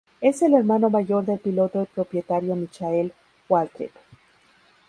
Es el hermano mayor del piloto y propietario Michael Waltrip.